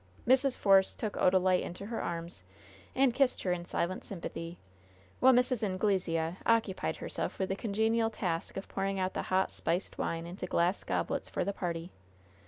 Mrs. Force took Odalite in her arms and kissed her in silent sympathy, while Mrs. Anglesea occupied herself with the congenial task of pouring out the hot, spiced wine into glass goblets for the party.